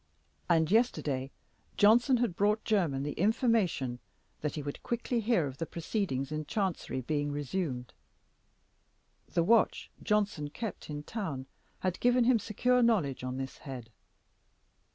And yesterday Johnson had brought Jermyn the information that he would quickly hear of the proceedings in Chancery being resumed: the watch Johnson kept in town had given him secure knowledge on this head.